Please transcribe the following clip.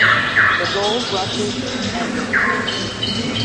The gold rushes ended.